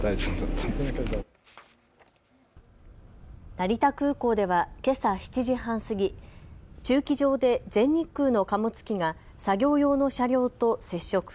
成田空港ではけさ７時半過ぎ、駐機場で全日空の貨物機が作業用の車両と接触。